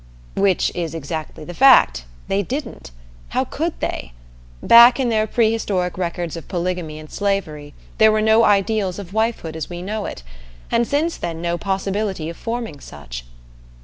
Which is exactly the fact they didn't. How could they? Back in their prehistoric records of polygamy and slavery there were no ideals of wifehood as we know it, and since then no possibility of forming such.